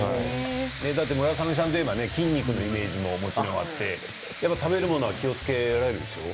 村雨さんといえば筋肉のイメージももちろんあって食べるものは気をつけられているんでしょう？